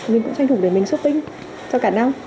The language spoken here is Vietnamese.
mình cũng tranh thủ để mình shopping cho cả năm